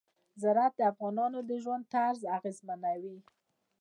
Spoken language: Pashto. زراعت د افغانانو د ژوند طرز اغېزمنوي.